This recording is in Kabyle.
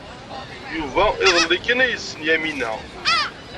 Yuba iḍelli kan ay yessen Yamina.